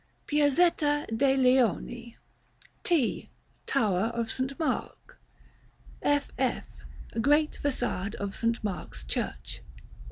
Piazzetta de' Leoni. T. Tower of St. Mark. F F. Great Façade of St. Mark's Church.